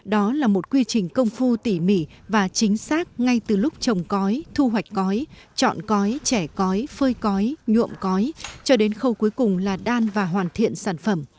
đó là một quy trình công phu tỉ mỉ và chính xác ngay từ lúc trồng cói thu hoạch cói chọn cói trẻ cói phơi cói nhuộm cói cho đến khâu cuối cùng là đan và hoàn thiện sản phẩm